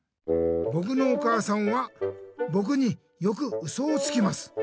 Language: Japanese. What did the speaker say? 「ぼくのお母さんはぼくによくウソをつきます。